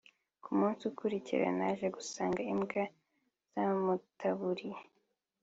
ku munsi ukurikiye naje gusanga imbwa zamutaburuye